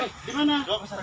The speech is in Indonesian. do peserakan kita dulu